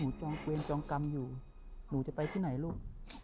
จองเวรจองกรรมอยู่หนูจะไปที่ไหนลูก